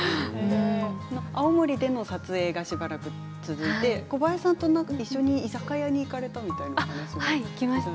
青森での撮影がしばらく続いて小林さんと一緒に居酒屋に行かれたという話も聞きました。